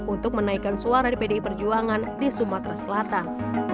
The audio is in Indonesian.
untuk menaikkan suara di pdi perjuangan di sumatera selatan